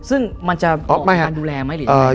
ซึ่งมันจะมีการดูแลไหมหรือ